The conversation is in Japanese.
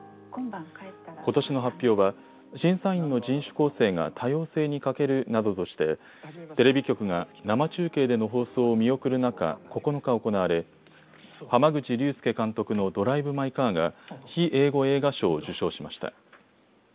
ことしの発表は審査員の人種構成が多様性に欠けるなどとしてテレビ局が生中継での放送を見送る中、９日行われ濱口竜介監督のドライブ・マイ・カーが非英語映画賞を受賞しました。